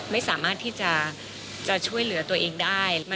ไม่สามารถที่จะช่วยเหลือตัวเองได้